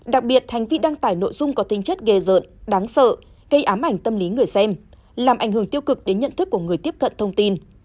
đặc biệt hành vi đăng tải nội dung có tinh chất ghe rợn đáng sợ gây ám ảnh tâm lý người xem làm ảnh hưởng tiêu cực đến nhận thức của người tiếp cận thông tin